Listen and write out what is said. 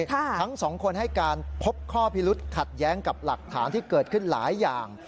ทั้งสองคนให้การพบข้อพิรุษขัดแย้งกับหลักฐานที่เกิดขึ้นหลายอย่าง